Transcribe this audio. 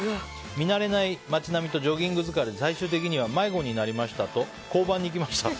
見慣れない街並みとジョギング疲れで最終的には、迷子になりましたと交番に行きました。